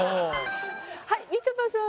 はいみちょぱさん。